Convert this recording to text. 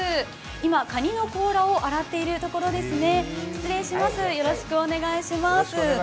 今、かにの甲羅を洗っているところですね。